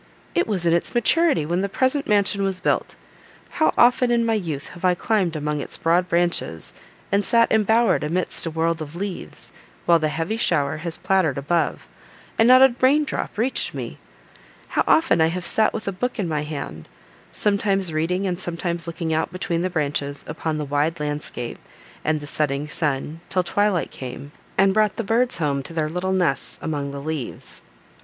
It was in its maturity when the present mansion was built. How often, in my youth, have I climbed among its broad branches, and sat embowered amidst a world of leaves, while the heavy shower has pattered above, and not a rain drop reached me! How often I have sat with a book in my hand, sometimes reading, and sometimes looking out between the branches upon the wide landscape, and the setting sun, till twilight came, and brought the birds home to their little nests among the leaves!